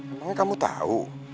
emangnya kamu tahu